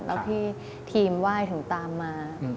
แล้วทีมครับว่ายถึงตามมา